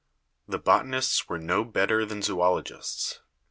The botan ists were no better than the zoologists.